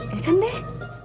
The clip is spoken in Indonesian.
ya kan deh